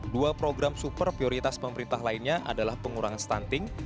dua program super prioritas pemerintah lainnya adalah pengurangan stunting